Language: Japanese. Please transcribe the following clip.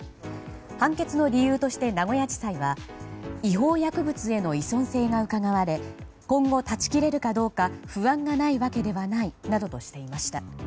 判決の理由として名古屋地裁は違法薬物への依存性がうかがわれ今後、断ち切れるかどうか不安がないわけではないなどとしていました。